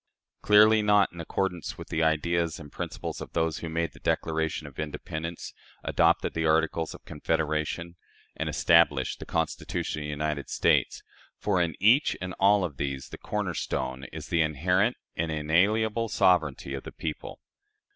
Clearly not, in accordance with the ideas and principles of those who made the Declaration of Independence, adopted the Articles of Confederation, and established the Constitution of the United States; for in each and all of these the corner stone is the inherent and inalienable sovereignty of the people.